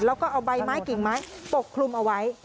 แล้วก็เอาใบไม้กิ่งไม้ปกคลุมเอาไว้